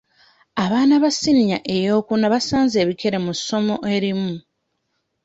Abaana ba siniya ey'okuna baasaze ebikere mu ssomo erimu.